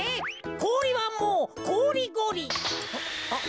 こおりはもうこぉりごり。